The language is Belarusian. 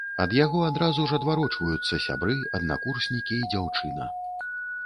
Ад яго адразу ж адварочваюцца сябры, аднакурснікі і дзяўчына.